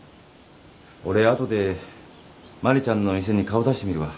俺あとで茉莉ちゃんの店に顔出してみるわ。